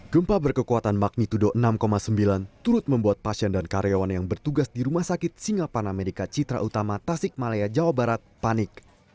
gempa berkekuatan magnitudo enam sembilan turut membuat pasien dan karyawan yang bertugas di rumah sakit singaparna medica citra utama tasik malaya jawa barat panik